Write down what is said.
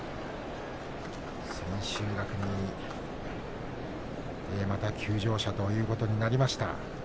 千秋楽に、また休場者ということになりました。